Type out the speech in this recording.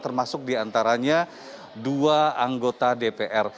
termasuk diantaranya dua anggota dpr